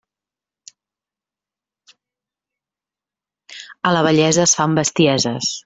A la vellesa es fan bestieses.